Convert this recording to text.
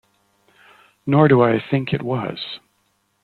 Nor do I think it was.